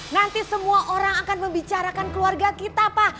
nanti semua orang akan membicarakan keluarga kita pak